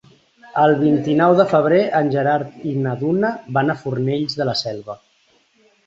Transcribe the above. El vint-i-nou de febrer en Gerard i na Duna van a Fornells de la Selva.